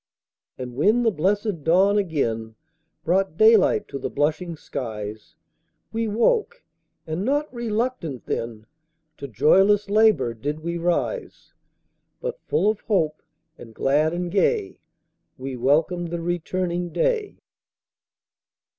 And when the blessed dawn again Brought daylight to the blushing skies, We woke, and not RELUCTANT then, To joyless LABOUR did we rise; But full of hope, and glad and gay, We welcomed the returning day.